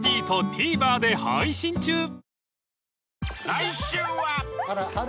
［来週は］